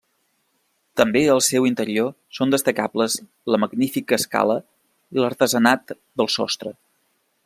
També al seu interior són destacables la magnífica escala i l'artesanat del sostre.